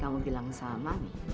kamu tidak bisa menemukan asma